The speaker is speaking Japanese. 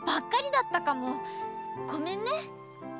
ごめんね。